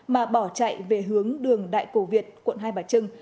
mà bỏ chạy về hướng đường đại cổ việt quận hai bà trưng